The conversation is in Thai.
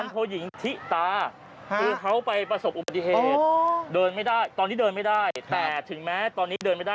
คือเขาไปประสบอุบัติเหตุเดินไม่ได้ตอนนี้เดินไม่ได้แต่ถึงแม้ตอนนี้เดินไม่ได้